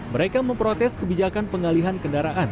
mereka memprotes kebijakan pengalihan kendaraan